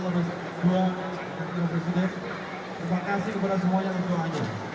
terima kasih kepada semua yang doanya